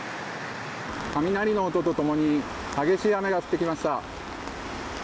雷の音と共に激しい雨が降ってきました。